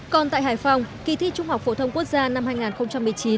còn tại hải phòng kỳ thi trung học phổ thông quốc gia năm hai nghìn một mươi chín